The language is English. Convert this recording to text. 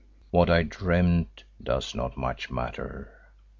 What I dreamed does not much matter.